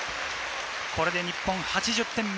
これで日本８０点目。